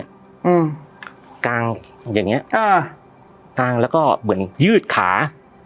อืมกางอย่างเงี้อ่ากางแล้วก็เหมือนยืดขา